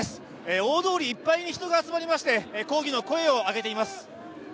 大通りいっぱいに人が集まりまして、抗議の声を上げています。